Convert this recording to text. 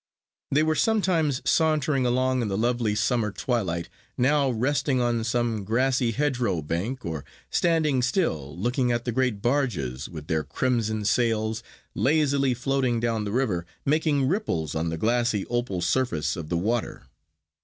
They were sometimes sauntering along in the lovely summer twilight, now resting on some grassy hedge row bank, or standing still, looking at the great barges, with their crimson sails, lazily floating down the river, making ripples on the glassy opal surface of the water.